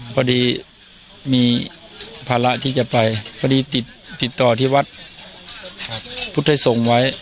พอดีมีภาระที่จะไปพอดีติดต่อที่วัดพุทธส่งไว้